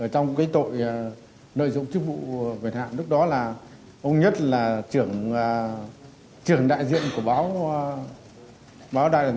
trong tội nợi dụng chức vụ